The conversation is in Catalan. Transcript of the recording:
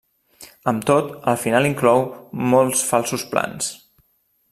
Amb tot el final inclou molts falsos plans.